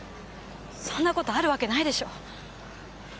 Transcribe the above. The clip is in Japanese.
そんな事あるわけないでしょ。